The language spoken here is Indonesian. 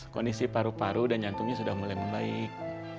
kondisi paru paru dan jantungnya sudah mulai membaik